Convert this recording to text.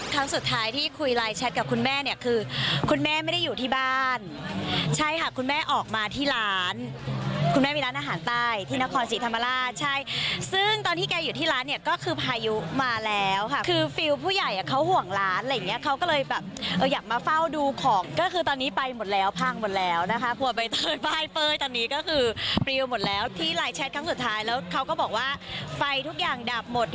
ครั้งสุดท้ายที่คุยไลน์แชทกับคุณแม่เนี่ยคือคุณแม่ไม่ได้อยู่ที่บ้านใช่ค่ะคุณแม่ออกมาที่ร้านคุณแม่มีร้านอาหารใต้ที่นครสีธรรมราชใช่ซึ่งตอนที่แกอยู่ที่ร้านเนี่ยก็คือพายุมาแล้วค่ะคือฟิวผู้ใหญ่เขาห่วงร้านอะไรอย่างเงี้ยเขาก็เลยแบบอยากมาเฝ้าดูของก็คือตอนนี้ไปหมดแล้วพังหมดแล้วนะคะหัวใบเต